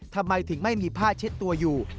ทำไมถึงไม่มีผ้าเช็ดตัวอยู่